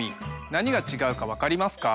何が違うか分かりますか？